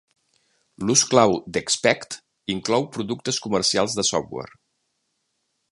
L'ús clau d'Expect inclou productes comercials de software.